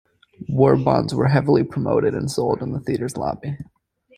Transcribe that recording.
War bonds were heavily promoted and sold in the theater's lobby.